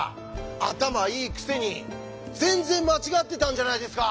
頭いいくせに全然間違ってたんじゃないですか！